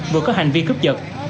vừa có hành vi cướp giật